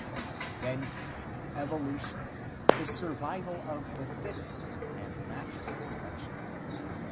Then came evolution, the survival of the fittest and natural selection.